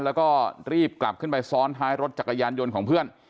แล้วก็รีบกลับขึ้นไปซ้อนท้ายรถจักรยานยนต์ของเพื่อน